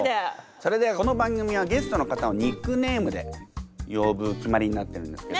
それではこの番組はゲストの方をニックネームで呼ぶ決まりになってるんですけど。